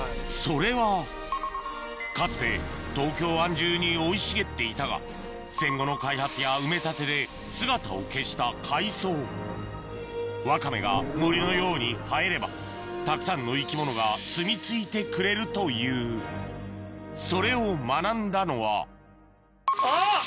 それはかつて東京湾中に生い茂っていたが戦後の開発や埋め立てで姿を消した海藻ワカメが森のように生えればたくさんの生き物がすみ着いてくれるというそれを学んだのはあっ！